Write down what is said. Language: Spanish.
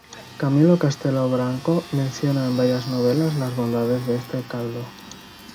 Camilo Castelo Branco menciona en varias novelas las bondades de este caldo.